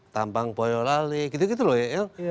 tampang boyolali gitu gitu loh ya